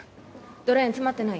ドレーン詰まってない？